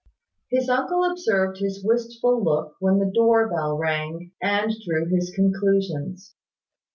His uncle observed his wistful look when the door bell rang, and drew his conclusions.